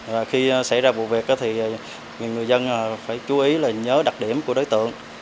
và khi xảy ra vụ việc thì người dân phải chú ý là nhớ đặc điểm của đối tượng